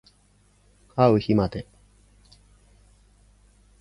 あう日まで